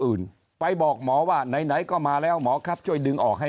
อื่นไปบอกหมอว่าไหนไหนก็มาแล้วหมอครับช่วยดึงออกให้